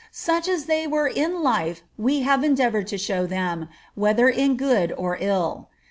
Soch as they were in life we have endeavoured to show them, whether m good or ill.